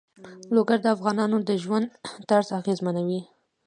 لوگر د افغانانو د ژوند طرز اغېزمنوي.